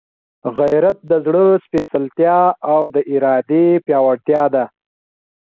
غیرت د زړه سپېڅلتیا او د ارادې پیاوړتیا ده.